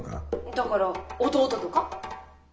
だから弟とか？